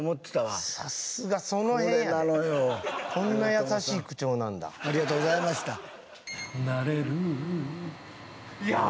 さすがそのへんやでこんな優しい口調なんだありがとうございましたなれるいやー！